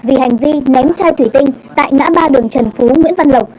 vì hành vi ném chai thủy tinh tại ngã ba đường trần phú nguyễn văn lộc